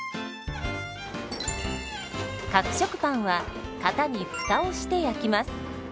角食パンは型に「フタ」をして焼きます。